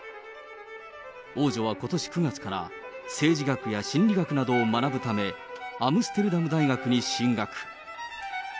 王女はことし９月から、政治学や心理学などを学ぶため、アムステルダム大学に進学。